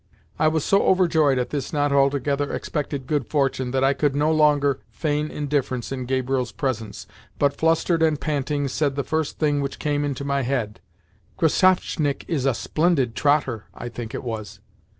I was so overjoyed at this not altogether expected good fortune that I could no longer feign indifference in Gabriel's presence, but, flustered and panting, said the first thing which came into my head ("Krassavchik is a splendid trotter," I think it was).